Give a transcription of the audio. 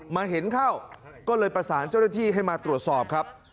มาเห็นเข้าก็เลยประสานเจ้าหน้าที่ให้มาตรวจสอบครับ